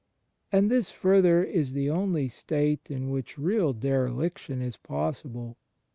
And this, further, is the only state in which real "Dereliction" is possible.